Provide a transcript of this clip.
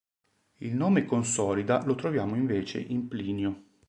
Il nome "Consolida" lo troviamo invece in Plinio.